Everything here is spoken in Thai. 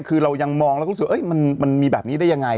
คือเรายังมองแล้วก็รู้สึกว่ามันมีแบบนี้ได้ยังไง